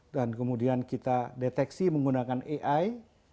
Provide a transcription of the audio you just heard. dan kemudian kita deteksi menggunakan ai